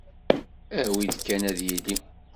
Awi-d kan ad yili!